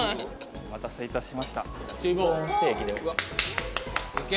お待たせいたしました。